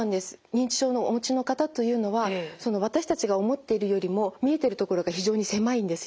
認知症のお持ちの方というのは私たちが思っているよりも見えてるところが非常に狭いんですね。